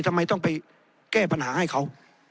ทำไมต้องไปแก้ปัญหาให้เขา